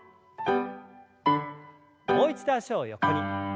もう一度脚を横に。